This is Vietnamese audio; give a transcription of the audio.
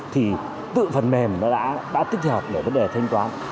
thì tự phần mềm nó đã tích hợp được vấn đề thanh toán